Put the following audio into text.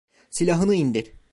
Silahını indir.